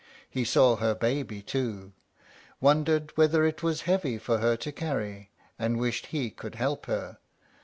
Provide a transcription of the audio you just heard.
He saw her baby too, wondered whether it was heavy for her to carry, and wished he could help her.